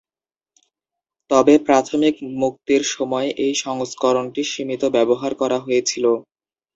তবে, প্রাথমিক মুক্তির সময় এই সংস্করণটি সীমিত ব্যবহার করা হয়েছিল।